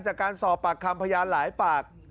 จากการสอบปากคำพยานหลายปาก